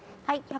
はい。